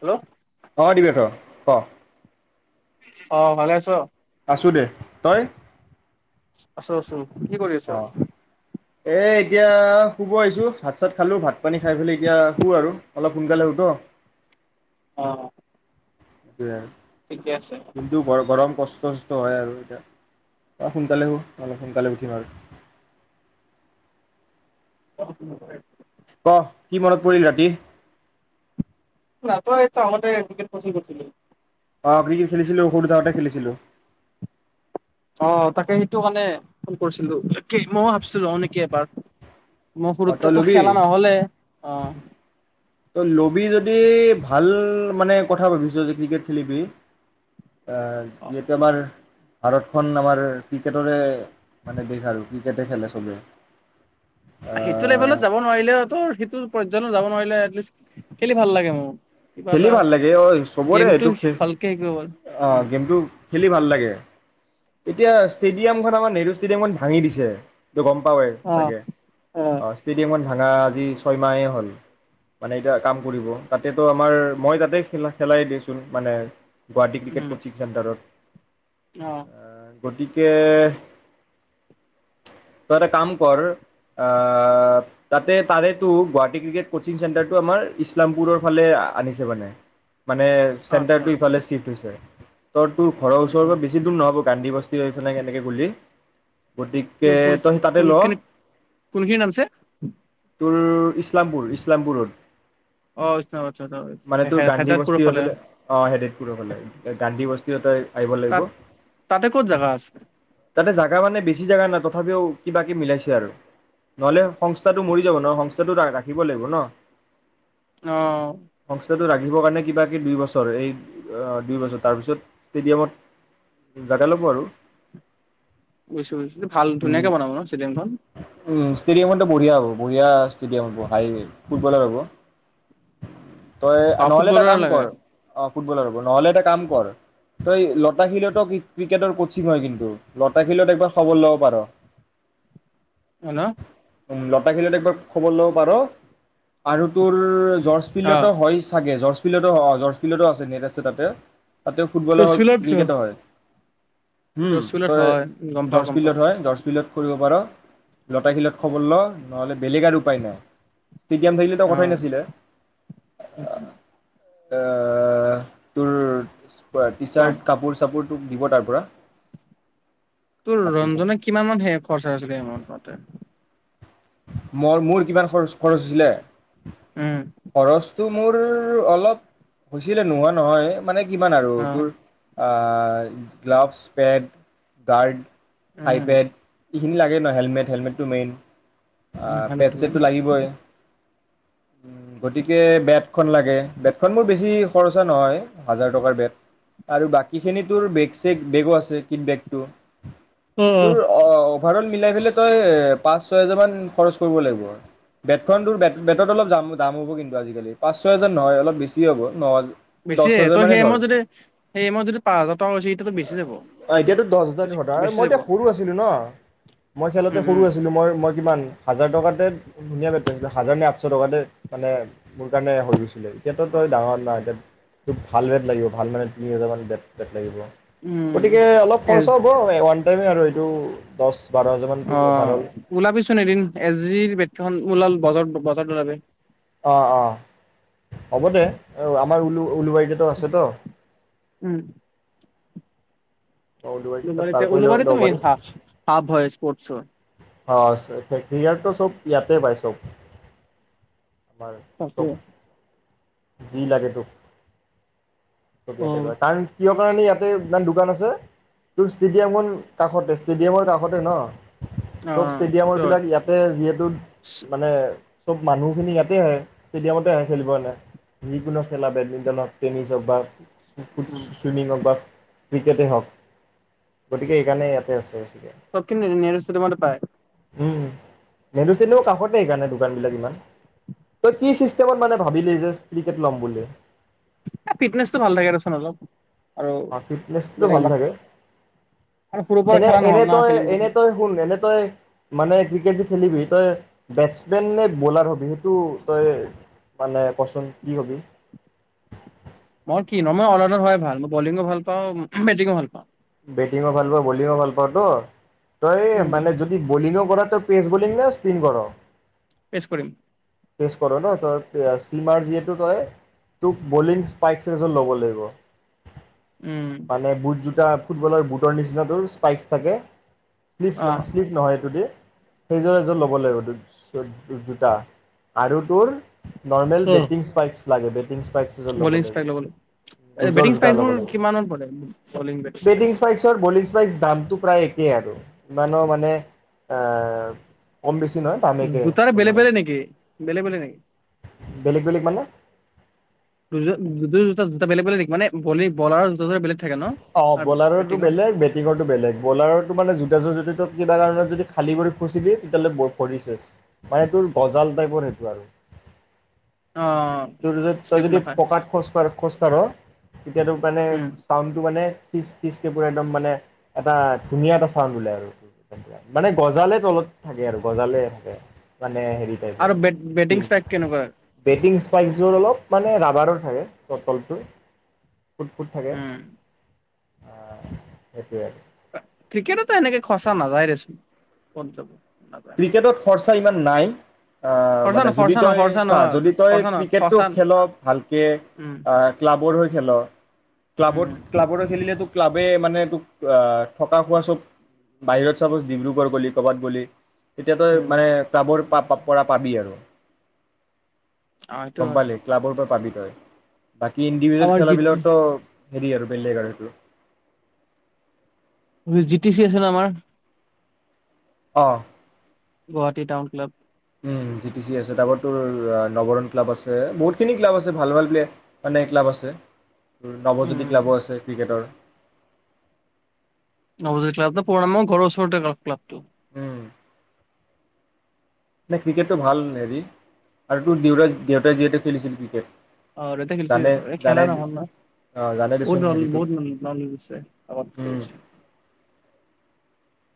Hello অ', দিৱেশ্বৰ। ক। অ', ভালে আছ? আছো দে, তই? আছো আছো। কি কৰি আছ? এই এতিয়া শুব আহিছো ভাত-চাত খালো ভাত-পানী খাই পেলি এতিয়া শুও আৰু অলপ সোনকালে শু টো। অ'। ঠিকে আছে [unintelligible] কিন্তু বৰ গৰম পচ্ছে। সুস্থ হয় আৰু এতিয়া। সোনকালে শুম আৰু সোনকালে উঠিম আৰু। [unintelligible] কহ কি মনত পৰিল ৰাতি? [unintelligible] অ', ক্ৰিকেট খেলিছিলো সৰু থাকোতে খেলিছিলো। অ', তাকে, সেইটো কাৰণে ফোন কৰিছিলো। মইয়ো ভাবছিলো লও নিকি এইবাৰ। মই অ তই সৰুতেটো ল'বি খেলা নহলে, অ'। তই লবি যদি ভাল মানে কথা ভাবিছ যে ক্ৰিকেট খেলিবি। এ, অ যিহেতু আমাৰ ভাৰতখন আমাৰ ক্ৰিকেটৰে মানে বিশেষ আৰু ক্ৰিকেটে খেলে চবে। সেইটো লেভেলত যাব নোৱাৰিলেও তোৰ সেইটো [unintelligible] যাব নোৱাৰিলে এতলিষ্ট খেলি ভাল লাগে মোৰ। কিবা খেলি এটা ভাল লাগে অ', চবৰে গেমটো এইটো খ, ভালকে শিকিব পাৰো অ', উম গেমটো খেলি ভাল লাগে। এতিয়া ষ্টেডিয়ামখন আমাৰ নেহৰু ষ্টেডিয়ামখন ভাঙি দিছে। ত গম পওঁৱে অ চাগে। অ', ষ্টেডিয়মৰ ভাঙা আজি ছয়মাহেই হ'ল, মানে এতিয়া কাম কৰিব তাতেতো আমাৰ মই তাতে খেলা খেলাই দিচোন মানে গুৱাহাটী ক্ৰিকেট উম কোচিং চেণ্টাৰত। অ'। গতিকে, তই এটা কাম কৰ আ, তাতে তাৰেতো গুৱাহাটী ক্ৰিকেট কোচিং চেণ্টাৰটো আমাৰ ইছলামপুৰৰ ফালে আনিছে মানে। মানে আচ্ছা চেণ্টাৰটো ইফালে চিফ্ট হৈছে। ত টো ঘৰৰ আচ্ছা ওচৰো বেছ ই দূৰ নহ'ব গান্ধী বস্তি হৈ পিনে এনেকে গলী। কোন, কোন কোনখিনি কোনখিনিত আনছে? তোৰ ইছলামপুৰ, ইছলামপুৰত। অ আচ্ছা আচ্ছা মানে তোৰ গান্ধী হেদায়তপুৰৰ ফালে বস্তিফালে অ', হেডেতপুৰৰ ফালে, গান্ধী বস্তি কিয় তই আহিব তাত লাগিব। তাতে ক'ত জাগা আছে? তাতে জেগা মানে বেছি জেগা নাই তথাপিও কিবাকিব মিলাইছে আৰু, নহ'লে সংস্থাটো মৰি যাব নহয় সংস্থাটো ৰাখিব লাগিব ন'। অ'। তো ৰাখিবৰ কাৰণে কিবা কে দুই বছৰ এই অ', দুই বছৰ তাৰপিছত ষ্টেডিয়ামত জাগা ল'ব আৰু। বুজছো বুছো ভাল ধুনীয়াকে বনাব ন' ষ্টেডিয়াম খন। উম, ষ্টেডিয়াম বঢ়িয়া হ'ব বঢ়িয়া ষ্টেডিয়াম হ'ব হাই ফুটবলাৰ হ'ব। তই অ নহ'লে ফুটবলৰ এটা কাম লাগে কৰ, অ'। ফুটবলাৰ হ'ব নহ'লে এটা কাম কৰ, তই লতাশিলত ক্ৰিকেটৰ কচিং হয় কিন্তু লতাশিলত একবাৰ খবৰ ল'ব পাৰ। হয় ন'। উম, লতাশিলত একবাৰ খবৰ ল'ব পাৰ আৰু তোৰ জৰ্জ অ ফিল্ডতো হয় চাগে জৰ্জ জৰ্জ ফিল্ডতো অ, জৰ্জ ফিল্ডত আছে নেট আছে তাতে। তাতে ফুটবলো হয় ৰচুলত ক্ৰিকেটো হয়। উম, ৰচুলত তই হয় গম পাও জৰ্জ গম পাও ফিল্ডত হয় জৰ্জ ফিল্ডত কৰিব পাৰ, লতাশিলত খবৰ ল নহ'লে বেলেগ আৰু উপায় নাই। ষ্টেডিয়াম থাকিলেতো অ কথাই নাছিলে। অ, তোৰ টি ক চাৰ্ট কাপোৰ চাপ তোক দিব তাৰ পৰা। তোৰ কাপোৰ চাপোৰ ৰঞ্জনে কিমান মান সে খৰচ হৈছিলে সেইমাহত লওতে ম মোৰ কিমান খৰচ খৰচ হৈছিলে। উম খৰচটো মোৰ অলপ হৈছিলে নোহোৱা নহয় মানে কিমান আৰু অ তোৰ আ gloves, pads, guard um thigh pad এইখিনি লাগে ন হেলমেট হেলমেটটো মেইন আ, উম হাণ্ড্ৰেড পেদ চেদটো টুৱেণ্টি লাগিবই উম, গতিকে বেট খন লাগে বেটখন মোৰ বেছি খৰচা নহয়, হাজাৰ টকাৰ বেট আৰু বাকীখিনি তোৰ বেগ চেগ বেগো আছে কিড বেগটো তোৰ অ', অভাৰ অল মিলাই পেলাই তই পাঁচ, ছয় হাজাৰ মান খৰচ কৰিব লাগিব। বেটখন তোৰ বে-বেটত অলপ [unintelligible] দাম হ'ব কিন্তু আজিকালি পাঁচ, ছয় হাজাৰ নহয় অলপ বেছি হ'ব ন হাজা বেছিয়ে তই সেই সময়ত যদি সেই সময়ত যদি পাঁচ হাজাৰ টকা হৈছে এতিয়াতো বেছি যাব, অ এতিয়াতো দহ হাজাৰ ধৰ বেছি যাব। মই উম খেলোতে সৰু উম আছিলো মই-মই কিমান? হাজাৰ টকাতে ধুনীয়া বেট পাইছিলো হাজাৰ নে আঠশ টকাতে মানে মোৰ কাৰণে হৈ গৈছিলে এতিয়াতো তই ডাঙৰ না এতিয়া তোক ভাল বেট লাগিব ভাল মানে তিনি হাজাৰ মান বেট, বেট লাগিব। উম গতিকে অলপ এ খৰচা হ'ব [unintelligible] [unintelligible] আৰু এইটো দচ অ', ওলাবিচোন এদিন। [unintelligible] অ', অ', হ'ব দে আমাৰ উলু উলুবাৰী টো আছে টো উম তাৰ উলুবাৰীতে পৰাই ল উলুবাৰীতে ল'ব পাৰি মেইন হাফ হাফ হয় স্পৰ্টচৰ অ ফেৰিয়াৰতটো চব ইয়াতে পায় চব আমাৰ তাকে চব যি লাগে তোক [unintelligible] অ কাৰণ কিয় [unintelligible] ইয়াতে ইমান দোকান আছে তোৰ ষ্টেডিয়ামখন কাষতে ষ্টেডিয়ামৰ কাষতে ন অ চব সেইটো হয়। ষ্টেডিয়ামৰবিলাক ইয়াতে যিহেতু মানে চব মানুহখিনি ইয়াতে আহে ষ্টেডিয়ামতে আহে খেলিবৰ কাৰণে যিকোনো খেলা বেডমিণ্টন হওক, টেনিছ হওক বা [inaudible] [unintelligible] বা। ক্ৰিকেটেই হওঁক, গতিকে এইকাৰণেই ইয়াতে আছে। বেছিকে [unintelligible] পায়। উম মেনু চেনো কাষতে সেইকাৰণে দোকানবিলাক, ইমান তই কি চিষ্টেমত মানে ভাবিলি যে কিকেট ল'ম বুলি। ফিটনেছটো ভাল লাগে ৰচোন অলপ। আৰু অ ফিটনেছটো বেলেগ ভাল বাক থাকে আৰু সৰুৰ পৰা এনে খেলা এনে নহ'ল না তই খেলিম বুলি এনে তই শুন এনে তই মানে ক্ৰিকেট যে খেলিবি তই বেট্ছমেন নে বলাৰ হবি সেইটো তই মানে কচোন কি হবি। মই কি ন মই [unintelligible] হয় ভাল মই বলিঙো ভাল পাওঁ বেটিঙো ভাল পাওঁ। বেটিঙো ভাল পোৱা বলিঙো ভাল পাৱ ত তই উম মানে যদি বলিঙো কৰাটো পেজ বুলিং ন স্পিন কৰ। পেছ কৰিম। ফেচ কৰ ন, তই শ্লিমাৰ যিহেতু তই, তোক বলিং স্পাইকচত ল'ব লাগিব। উম মানে বোত [unintelligible] ফুটবলৰ বুটৰ নিচিনাটোৰ স্পাইকছ থাকে। শ্লিপ অ না শ্লিপ নহয়টোদি সেইযোৰ এযোৰ ল'ব লাগিব তোৰ তোৰ জোতা আৰু তোৰ নৰ্মেল অ বেটিং স্পাইকছ লাগে বেটিং স্পাইকচ এযোৰ বলিং স্পাইক লাগিব। ল'ব দুযোৰ বেটিং জোতা স্পাইচ ল'ব বোৰ লাগিব কিমানত পৰে বলে বলিং বেটিং স্পাইক বেটিং স্পাইকছৰ আৰু বলিং স্পাইকছ দামটো প্ৰায় এক সেই আৰু ইমানো মানে অঁ কম বেছি নহয় দাম একে দুটাৰে বেলেগ চবৰে বেলে নেকি। বেলেগ বেলেগ নেকি। বেলেগ বেলেগ মানে। দু দুটা বেলে বেলেগ মানে বলি বলাৰ দু বলেগ অ বলাৰৰটো বেলেগ বেটিঙৰটো বেলেগ বলাৰৰটো মানে জোতাযোৰ কিবা কাৰণত খালী কৰি খচি দি তেতিয়াহ'লে ভৰিছে মানে সেইটো গজাল টাইপৰ সেইটো আৰু। অ তোৰ তই শ্লিপ যদি নাখায় পকাত খোজকাঢ় খোজ কৰ তেতিয়াতো মানে উম চাউণ্ড মানে খিচ খিচ কে পুৰা একদম মানে এটা ধুনীয়া এটা চাউন্ড ওলাই আৰু মানে গজালে তলত থাকে আৰু গজালে থাকে মান মানে হেৰি টাইপ আৰু বেট বেটিং ষ্ট্ৰাইক কেনেকুৱা বেটিং স্পাইকচবোৰ অলপ মানে ৰাবাৰৰ বটলটোৰ ফুট ফুট উম থাকে অ' সেইটোৱে আৰু ক্ৰিকেটতো এনেকে খৰচা নাযায় দেচোন ক'ত যাব নাযায় ক্ৰিকেটত খৰচা ইমান নাই। আ খৰচা ন মানে যদি খৰচা ন তই খৰচা চা নহয় যদি তই খৰচা নহয় ক্ৰিকেটটো খৰচা খেল' ভালকে উম ক্লাবৰ হৈ খেল' উম ক্লাবত উম ক্লাবৰ হৈ খেলিলে তোক ক্লাবে মানে তোক থকা খোৱা চব বাহিৰত চাপ'জ ডিব্ৰুগড় গ'লি ক'বাত গ'লি তেতিয়া তই উম মানে ক্লাবৰ পাপ, পৰা পাবি আৰু অ সেইটো গম হয় পালি ক্লাবৰ পৰা পাবি [unintelligible] বাকী ইণ্ডিভিজুৱেল আমাৰ জি খেলাবিলাকত তই হেৰি আৰু বেলেগ আৰু জি টি চি আছে ন আমাৰ অ' Guwahati town club um G T C আছে তাৰপৰা তোৰ নৱৰণ ক্লাব আছে বহুতখিনি ক্লাব আছে ভাল ভাল [unintelligible] মানে ক্লাব আছে উম নৱজ্যোতি উম ক্লাবো আছে ক্ৰিকেটৰ, নৱজ্যোতি ক্লাবটো পুৰণা মোৰ ঘৰৰ ওচৰতে [unintelligible] ক্লাবটো উম ক্ৰিকেটটো ভাল হেৰি আৰু তোৰ দেউতা দেউতাই যিহেতু খেলিছিল ক্ৰিকেট অ' দেউতাই খেলিছিল জানে এ জানে খেলা নহ'ল নহয় অ', জানে বহুত দেচোন হেৰিটো বহুত উম, [unintelligible]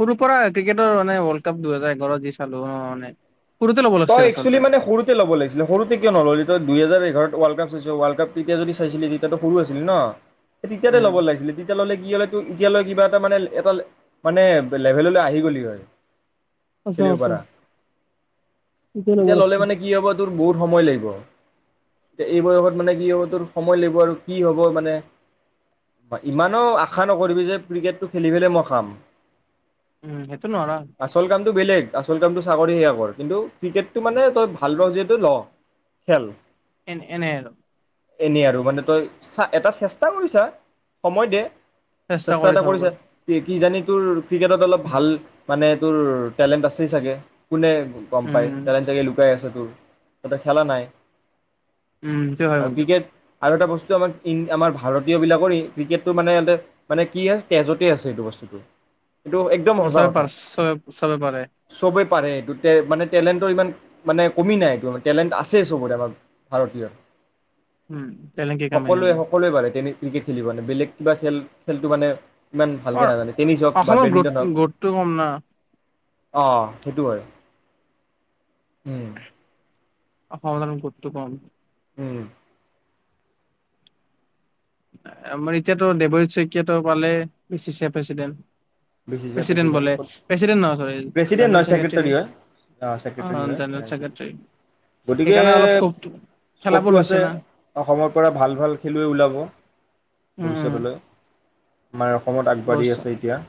সৰুৰ পৰা ক্ৰিকেটৰ মানে ৱৰ্ল্ড কাপ দুহেজাৰ এঘাৰত যি চালো আৰু মানে সৰুতে ল'ব তই লাগিছিল একচোয়েলী আচলতে মানে সৰুতে লব লাগিছিলে সৰুতে কিয় নললি তই দুহেজাৰ এঘাৰত ৱৰ্ল্ড কাপ ৱৰ্ল্ড কাপ তেতিয়া যদি চাইছিল তেতিয়াটো সৰু আছিলি ন তেতিয়াতে উম। ল'ব লাগিছিলে তেতিয়া ল'লে কি এতিয়ালৈ কিবা এটা মানে এটা মানে লেভেললৈ আহি গ'লি হয় খেলিব পাৰা [unintelligible] এতিয়া ল'লে লাগিছিল। মানে কি হ'ব তোৰ বহুত সময় লাগিব এতিয়া এই বয়সত মানে কি হ'ব তোৰ সময় লাগিব আৰু কি হ'ব মানে ইমানো আশা নকৰিবি যে, ক্ৰিকেটটো খেলি পেলাই মই খাম। উম, সেইটো নোৱাৰা আচল কামটো বেলেগ আচল কামতটো চাকৰিহে অকল কিন্তু ক্ৰিকেটটো মানে তই ভাল পাৱ যিহেতু ল খেল এন এনেই আৰু এনেই আৰু মানে তই চা এটা চেষ্টা কৰিছা সময় দে। চেষ্টা কৰি এটা চাব কৰিছা পাৰি। কি কিজানি তোৰ ক্ৰিকেটত অলপ ভাল মানে তোৰ টেলেণ্ট আছেই চাগে। কোনে গম পায়। উম লুকাই আছে তোৰ, তাতে খেলা নাই। উম, আৰু [unintelligible] ক্ৰিকেট আৰু এটা বস্তু আমাৰ, আমাৰ ভাৰতীয়বিলাকৰ ক্ৰিকেটটো মানে ইতে মানে কি আছে তেজতেই আছে এইটো বস্তুটো। এইটো একদম উম, সঁচা চবে কথা পাৰে চব, চবে পাৰে। চবেই পাৰে এইটো তে মানে টেলেন্ট ইমান মানে কমি নাই টেলেণ্ট আছে চবৰে আমাৰ ভাৰতীয়ৰ। উম তেনে কি কাম সকলোৱে নেকি সকলোৱে বাঢ়ে তেনে ক্ৰিকেট খেলিবানে বেলেগ কিবা খেল খেলটো মানে ইমান ভালকৈ অ', নাজানে টেনিছ হওক বা অসমত গ্ৰোথ-গ্ৰোথটো কম না। অ', সেইটো হয়। উম। অসমত [unintelligible] উম। আমাৰ এতিয়াতো দেৱজীত শইকীয়াতটো পালে, B C C A president. B C C A president বোলে ক'ত, প্ৰেচিডেণ্ট নহয় চৰি প্ৰেচিডেণ্ট জেনেৰেল নহয়, ছেক্ৰেটাৰী নে ছেক্ৰেটৰী হয়, অ, ছেক্ৰটৰী জেনেৰেল হয়। ছেক্ৰেটাৰী সেইকাৰণে অলপ স্কপটো গতিকে খেলাবোৰ স্ক'পটো হৈছে আছে না অসমৰ পৰা ভাল ভাল খেলুৱৈ ওলাব। উম উম ভবিষ্যতলৈ। আমাৰ অসমত আগবাঢ়ি আছে এতিয়া।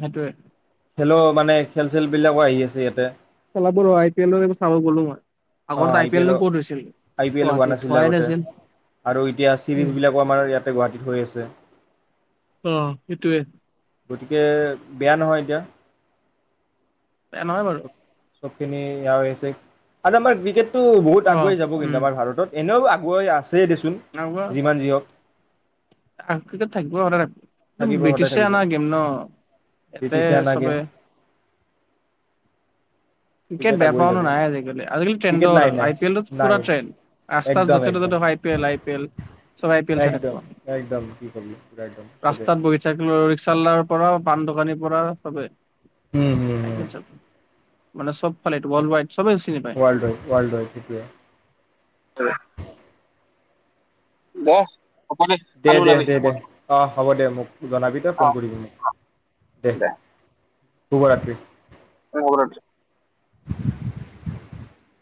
সেইটোৱে। খেলো মানে খেল চেলবিলাকো আহি আছে ইয়াতে। খেলাবোৰ অ', আই পি এলৰে চাব গ'লো মই। অ', আগত আই পি এল নো এলো, ক'ত হৈছিল আই পি এলো হোৱা গুৱাহাটীত নাছিলে হোৱাই আগতে নাছিল আৰু এতিয়া চিৰিজ বিলাকো আমাৰ ইয়াতে গুৱাহাটীত হৈ আছ [unintelligible] অ', সেইটোৱে। গতিকে বেয়া নহয় এতিয়া। বেয়া নহয় বাৰু। চব চবখিনি ইয়া হৈছে আৰু আমাৰ বি জে তো বহুত অ আগুৱাই যাব উম কিন্তু আমাৰ ভাৰত, এনেও গৈ আছ দে দেচোন, যিমান যি হওঁক। আকেইটাত থাকব [unintelligible] থাকিব সদায় ব্ৰিটিছে থাকিব আনা গেম ন', ইতে ব্ৰিটিছে অনা গেম চবে। ক্ৰিকেট বেয়া পোৱা আগুৱাই যাব মানুহ নাই আজিকালি আজিকালি ক্ৰিকেট ট্ৰেণ্ডৰ নাই নাই আই পি এল তো নাই পুৰা ট্ৰেণ্ড, ৰাস্তাত একদম য'তে ত'তে একদম দেখ I P L. I P L চব আই পি এল চাই থাকব। একদম একদম কি কবি পুৰা একদম চবে ৰাস্তাত বহি থাকিলো ঋ ৰিক্সাৱালাৰ পৰা পান দোকানীৰ পৰা চবেই। উম, হম, হম। মানে চব ফালে এইটো ওৱৰ্লড ৱাইড। চবেই চিনি পায়। ৱৰ্ল্ড ই ৱৰ্ল্ড সেইটোৱে। দে হ'ব দে, কালি দে, ওলাবি দে, দে অ', হ'ব দে মোক জনাবি ত অ ফোন কৰিবি মোক। দে শুভৰাত্ৰি। [unintelligible] [inaudible]